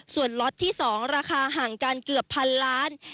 ส่วนล็อตที่๒ราคาห่างกันเกือบพันล้าน